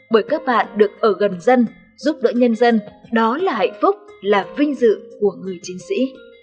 bởi các bạn được ở gần dân giúp đỡ nhân dân đó là hạnh phúc là vinh dự của người chiến sĩ